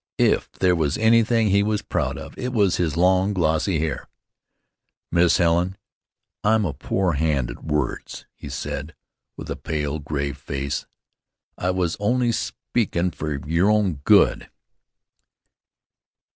If there was anything he was proud of, it was his long, glossy hair. "Miss Helen, I'm a poor hand at words," he said, with a pale, grave face. "I was only speakin' for your own good."